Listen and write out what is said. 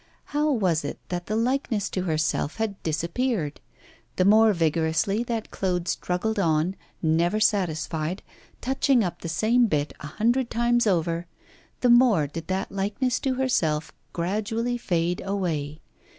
How was it that the likeness to herself had disappeared? The more vigorously that Claude struggled on, never satisfied, touching up the same bit a hundred times over, the more did that likeness to herself gradually fade away.